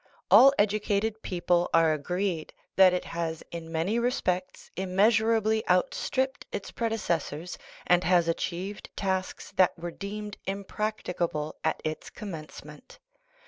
All educated people are agreed that it has in many respects immeasurably outstripped its predeces sors, and has achieved tasks that were deemed impracti cable at its commencement.